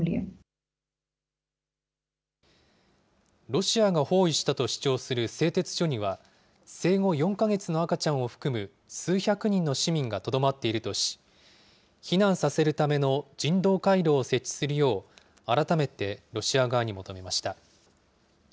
ロシアが包囲したと主張する製鉄所には、生後４か月の赤ちゃんを含む数百人の市民がとどまっているとし、避難させるための人道回廊を設置するよう、改めてロシア側に求めました。